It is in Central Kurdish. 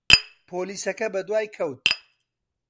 پۆلیسەکە بەدوای کەوت.